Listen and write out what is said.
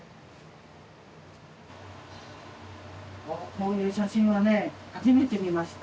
こういう写真はね初めて見ました。